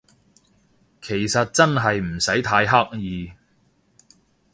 其實真係唔使太刻意